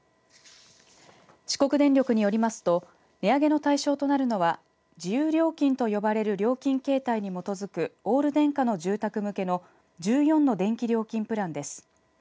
四国電力によりますと値上げの対象となるのは自由料金と呼ばれる料金形態に基づくオール電化の住宅向けの１４の電気料金プランです。